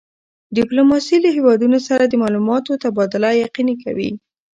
ډیپلوماسي له هېوادونو سره د معلوماتو تبادله یقیني کوي.